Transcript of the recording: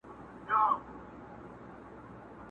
o په جنگ کي يو گام د سلو کلو لاره ده٫